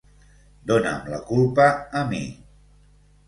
Dona'm la culpa a mi.